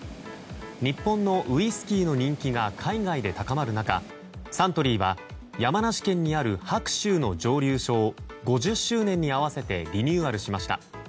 日本のウイスキーの人気が海外で高まる中サントリーは山梨県にある白州の蒸留所を５０周年に合わせてリニューアルしました。